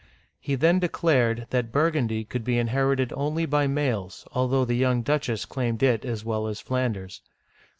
He then declared that Burgundy could be inherited only by males, although the young duchess claimed it as well as Flanders.